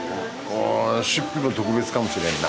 お出費も特別かもしれんな。